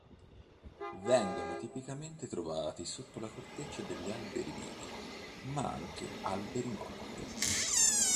Vengono tipicamente trovati sotto la corteccia degli alberi vivi, ma anche alberi morti.